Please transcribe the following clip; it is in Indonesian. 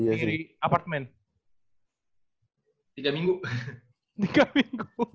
ternyata orang bisa lupa